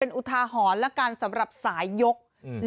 อุทาหรณ์แล้วกันสำหรับสายยก